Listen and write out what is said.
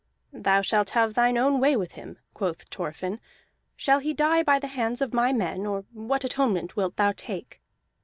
"Thou shalt have thine own way with him," quoth Thorfinn. "Shall he die by the hands of my men, or what atonement wilt thou take?"